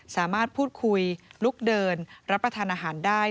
สามารถพูดคุยลุกเดินรับประทานอาหารได้